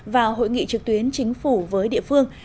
vào hội nghị trực tuyến chính phủ với địa phương